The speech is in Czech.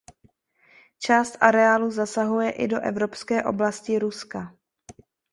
Část areálu zasahuje i do evropské oblasti Ruska.